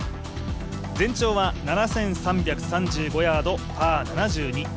全長は７３３５ヤードパー７２。